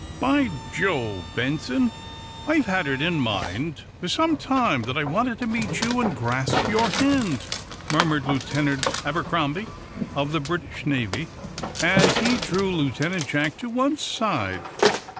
"By Jove, Benson, I've had it in mind, for some time, that I wanted to meet you and grasp your hand," murmured Lieutenant Abercrombie, of the British Navy, as he drew Lieutenant Jack to one side.